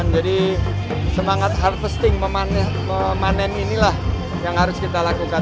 jadi semangat harvesting memanen inilah yang harus kita lakukan